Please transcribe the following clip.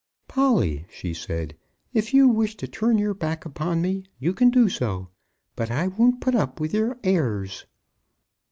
"Polly," she said, "if you wish to turn your back upon me, you can do so. But I won't put up with your airs."